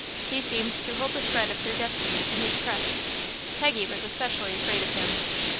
He seemed to hold the thread of their destiny in his press. Peggy was especially afraid of him.